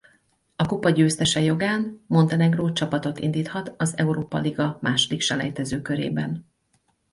A kupa győztese jogán Montenegró csapatot indíthat az Európa-liga második selejtezőkörében.